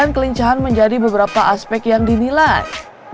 lainnya pencahan menjadi beberapa aspek yang dinilai